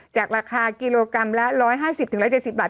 จากราคากิโลกรัมละ๑๕๐๑๗๐บาท